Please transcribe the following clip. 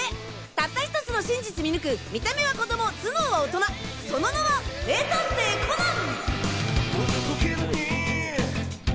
たった１つの真実見抜く見た目は子供頭脳は大人その名は名探偵コナン！